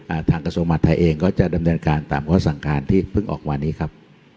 ทางกระทรวงมหาดไทยเองก็จะดำเนินการตามข้อสั่งการที่เพิ่งออกมานี้ครับ